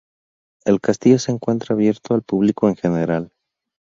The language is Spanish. El castillo se encuentra abierto al público en general.